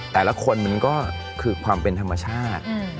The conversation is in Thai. แต่ละคนมันก็คือความเป็นธรรมชาติ